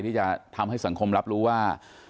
ที่จะทำให้สังคมรับรู้ว่า